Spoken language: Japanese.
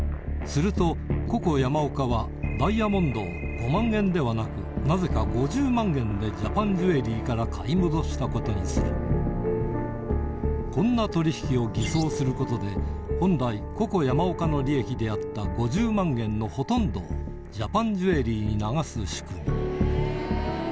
するとココ山岡はダイヤモンドを５万円ではなくなぜか５０万円でジャパンジュエリーから買い戻したことにするこんな取引を偽装することで本来ココ山岡の利益であった５０万円のほとんどをジャパンジュエリーに流す仕組み